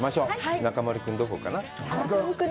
中丸君どこかな？